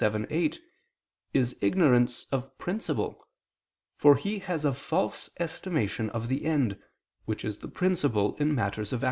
vii, 8) is ignorance of principle, for he has a false estimation of the end, which is the principle in matters of action.